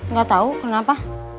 gak tau kenapa